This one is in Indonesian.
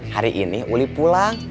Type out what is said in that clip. hari ini uli pulang